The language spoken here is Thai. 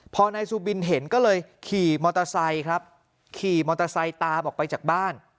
พอนายซูบินเห็นก็เลยขี่มอเตอร์ไซค์ครับขี่มอเตอร์ไซค์ตามออกไปจากบ้าน